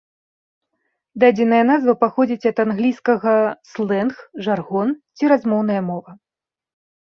Дадзеная назва паходзіць ад англійскага слэнг, жаргон ці размоўная мова.